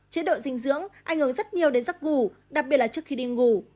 chế độ dinh dưỡng ảnh hưởng rất nhiều đến giấc ngủ đặc biệt là trước khi đi ngủ